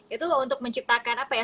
itu untuk menciptakan apa ya